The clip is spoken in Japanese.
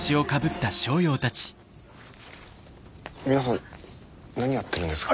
皆さん何やってるんですか？